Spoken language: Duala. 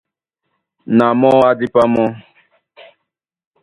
Na mɔ́ á dípá mɔ́.